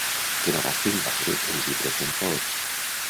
Que no gasten gaire en llibres d'en Paul.